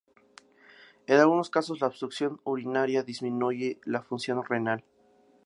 En algunos casos la obstrucción urinaria disminuye la función renal.